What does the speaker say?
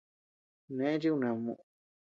Neʼë chi kuned muʼu.